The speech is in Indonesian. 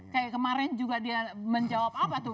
kayak kemarin juga dia menjawab apa tuh